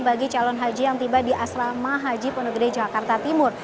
bagi calon haji yang tiba di asrama haji pondok gede jakarta timur